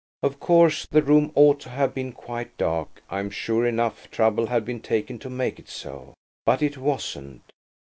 Of course the room ought to have been quite dark. I'm sure enough trouble had been taken to make it so. But it wasn't.